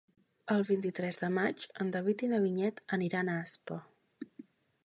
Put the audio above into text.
El vint-i-tres de maig en David i na Vinyet aniran a Aspa.